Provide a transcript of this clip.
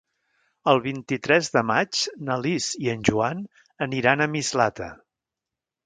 El vint-i-tres de maig na Lis i en Joan aniran a Mislata.